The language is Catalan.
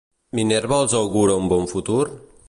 Minerva els augura un bon futur?